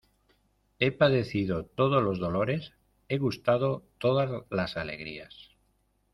he padecido todos los dolores, he gustado todas las alegrías: